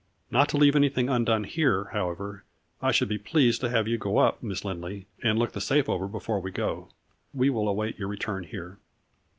Not to leave anything undone here, however, I should be pleased to have you go up, Miss Lindley, and look the safe over before we go. We will await your return here."